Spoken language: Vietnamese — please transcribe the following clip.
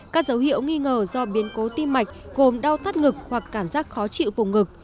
các dấu hiệu nghi ngờ do biến cố tim mạch gồm đau thắt ngực hoặc cảm giác khó chịu vùng ngực